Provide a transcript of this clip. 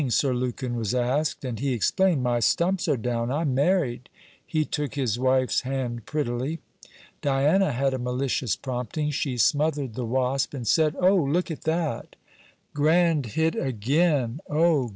Sir Lukin was asked; and he explained: 'My stumps are down: I'm married.' He took his wife's hand prettily. Diana had a malicious prompting. She smothered the wasp, and said: 'Oh! look at that!' 'Grand hit again! Oh!